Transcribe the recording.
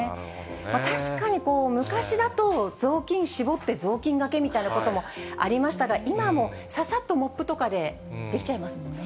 確かに昔だと雑巾絞って雑巾がけみたいなこともありましたが、今はもうささっとモップとかでできちゃいますもんね。